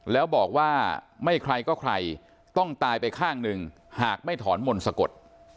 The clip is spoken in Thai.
แล้วบอกว่าไม่ใครก็ใครต้องตายไปข้างหนึ่งหากไม่ถอนมนต์สะกด